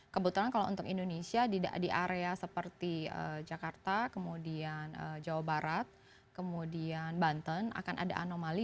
kebetulan kalau untuk indonesia di area seperti jakarta kemudian jawa barat kemudian banten akan ada anomali